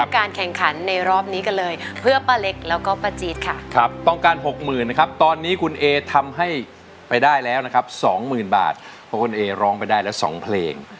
ค่ะครับต้องการหกหมื่นนะครับตอนนี้คุณเอ๋ทำให้ไปได้แล้วนะครับสองหมื่นบาทเพราะคุณเอ๋ร้องไปได้แล้วสองเพลง